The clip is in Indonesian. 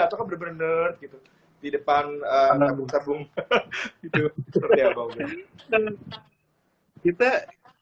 atau kan benar benar nerd gitu di depan tabung tabung